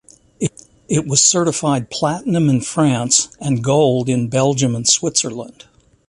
It was certified Platinum in France and Gold in Belgium and Switzerland.